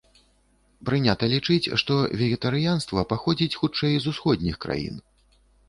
Прынята лічыць, што вегетарыянства паходзіць хутчэй з усходніх краін.